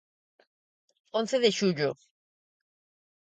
Once de xullo.